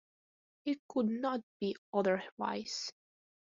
It could not be otherwise.